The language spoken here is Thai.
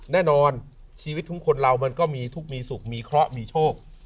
แน่นอนชีวิตทุกคนเรามันก็มีทุกข์มีสุขมีเคราะห์มีโชค